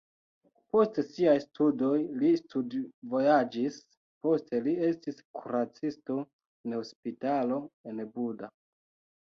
Post siaj studoj li studvojaĝis, poste li estis kuracisto en hospitalo en Buda.